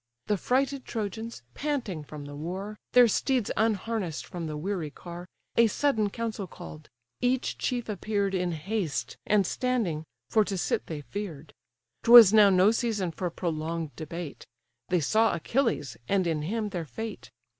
The frighted Trojans (panting from the war, Their steeds unharness'd from the weary car) A sudden council call'd: each chief appear'd In haste, and standing; for to sit they fear'd. 'Twas now no season for prolong'd debate; They saw Achilles, and in him their fate.